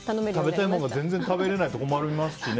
食べたいものが全然食べられないと困りますしね。